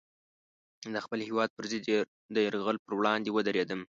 د خپل هېواد پر ضد د یرغل پر وړاندې ودرېدم.